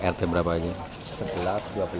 rt berapa aja